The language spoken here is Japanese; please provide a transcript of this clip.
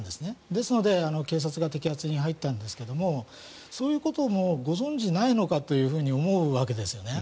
ですので、警察が摘発に入ったんですがそういうこともご存じないのかと思うわけですよね。